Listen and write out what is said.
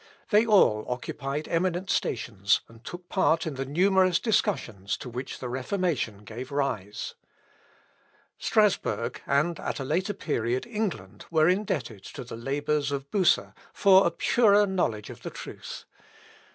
They all occupied eminent stations, and took part in the numerous discussions, to which the Reformation gave rise. Strasburg, and at a later period England, were indebted to the labours of Bucer, for a purer knowledge of the truth.